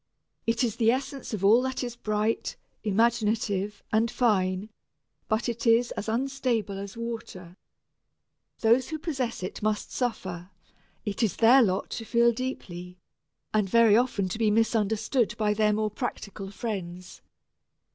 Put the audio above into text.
It is the essence of all that is bright, imaginative, and fine, but it is as unstable as water. Those who possess it must suffer it is their lot to feel deeply, and very often to be misunderstood by their more practical friends.